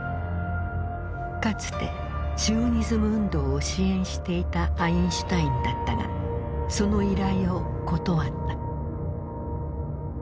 かつてシオニズム運動を支援していたアインシュタインだったがその依頼を断った。